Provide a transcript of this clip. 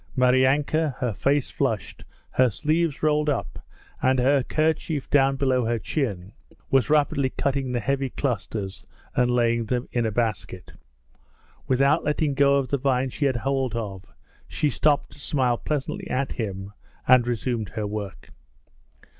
Maryanka, her face flushed, her sleeves rolled up, and her kerchief down below her chin, was rapidly cutting the heavy clusters and laying them in a basket. Without letting go of the vine she had hold of, she stopped to smile pleasantly at him and resumed her work.